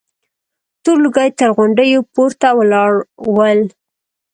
تور لوګي تر غونډيو پورته ولاړ ول.